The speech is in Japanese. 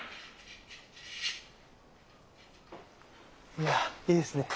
いやいいですね